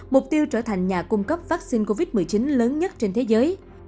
mục tiêu trở thành nhà cung cấp vắc xin covid một mươi chín lớn nhất trên thế giới